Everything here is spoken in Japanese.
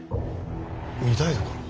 御台所。